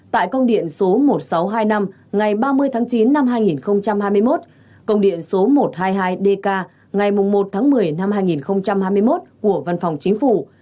tại công điện số một nghìn sáu trăm hai mươi năm ngày ba mươi tháng chín năm hai nghìn hai mươi một công điện số một trăm hai mươi hai dk ngày một tháng một mươi năm hai nghìn hai mươi một của văn phòng chính phủ